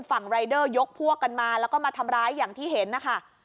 รายเดอร์ยกพวกกันมาแล้วก็มาทำร้ายอย่างที่เห็นนะคะ